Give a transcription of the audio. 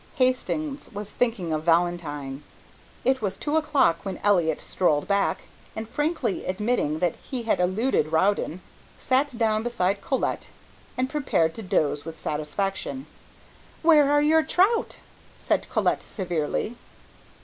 Hastings was thinking of Valentine. It was two o'clock when Elliott strolled back, and frankly admitting that he had eluded Rowden, sat down beside Colette and prepared to doze with satisfaction. "Where are your trout?" said Colette severely.